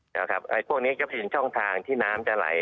พวกนี้ก็เป็นช่องทางที่น้ำจะไหล